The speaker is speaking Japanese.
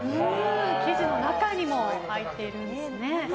生地の中にも入ってるんですね。